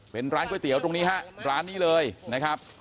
เป็นร้านก๋วยเตี๋ยวตรงนี้ฮะร้านนี้เลยนะครับ